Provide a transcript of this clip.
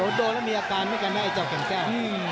โดนแล้วมีอาการเหมือนกันนะไอ้เจ้าแก่นแก้ว